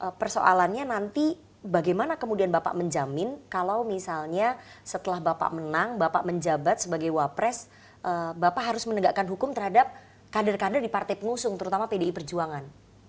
tapi persoalannya nanti bagaimana kemudian bapak menjamin kalau misalnya setelah bapak menang bapak menjabat sebagai wapres bapak harus menegakkan hukum terhadap kader kader di partai pengusung terutama pdi perjuangan